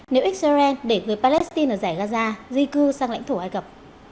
nếu israel để người palestine ở giải gaza di cư sang lãnh thổ ai cập